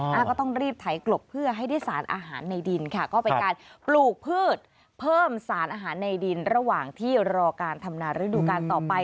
ก็ต้องรีบไถกลบเพื่อให้ได้สารอาหารในดินค่ะก็เป็นการปลูกพืชเพิ่มสารอาหารในดินระหว่างที่รอการทำนาฤดูการต่อไป